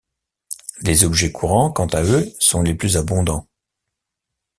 Les objets courants, quant à eux, sont les plus abondants.